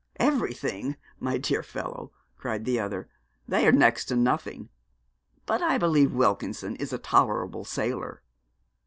'Everything, my dear fellow,' cried the other; 'they are next to nothing. But I believe Wilkinson is a tolerable sailor.'